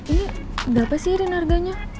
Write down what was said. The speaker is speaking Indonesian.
ini berapa sih irina harganya